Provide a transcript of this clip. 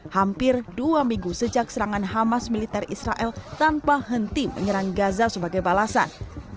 hampir dua minggu sejak serangan hamas militer israel tanpa henti menyerang gaza sebagai balasan